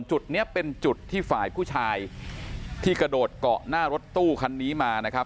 จุดนี้เป็นจุดที่ฝ่ายผู้ชายที่กระโดดเกาะหน้ารถตู้คันนี้มานะครับ